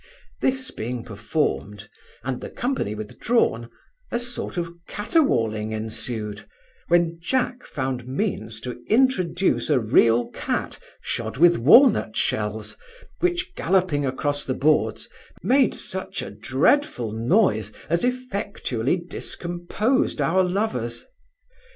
This being performed, and the company withdrawn, a sort of catterwauling ensued, when Jack found means to introduce a real cat shod with walnut shells, which galloping along the boards, made such a dreadful noise as effectually discomposed our lovers.